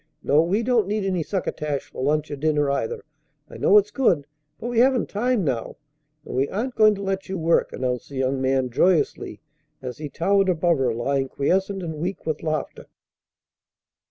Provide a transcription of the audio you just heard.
No, we don't need any succotash for lunch or dinner, either. I know it's good; but we haven't time now, and we aren't going to let you work," announced the young man joyously as he towered above her lying quiescent and weak with laughter.